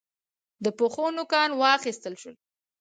د پښو نوکان و ایستل شول.